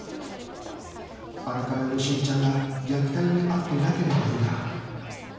あれから好美ちゃんが虐待に遭ってなければいいが